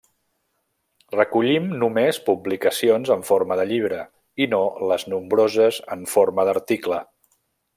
Recollim només publicacions en forma de llibre i no les nombroses en forma d'article.